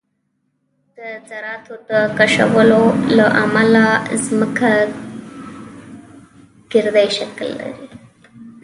د ذراتو د کشکولو له امله ځمکه ګردی شکل لري